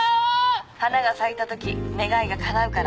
花が咲いた時願いがかなうから。